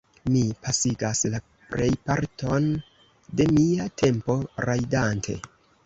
Mi pasigas la plejparton de mia tempo rajdante.